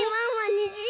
にじ！